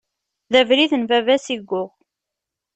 D abrid n baba-s i yuɣ.